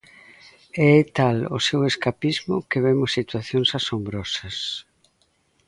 E é tal o seu escapismo que vemos situacións asombrosas.